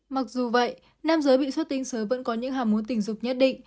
mặc dù vậy nam giới bị sốt tinh sớm vẫn có những hàm môn tình dục nhất định